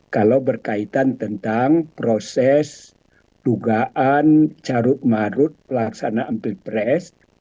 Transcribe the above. kalau berkaitan tentang proses dugaan carut marut pelaksanaan pilpres